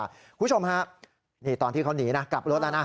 คุณผู้ชมตอนที่เขาหนีกลับรถแล้วนะ